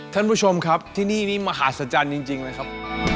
ท่านผู้ชมครับที่นี่นี่มหาศจรรย์จริงเลยครับ